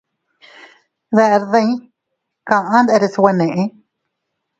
Deʼer dii, kaʼa a nderes nwe neʼe.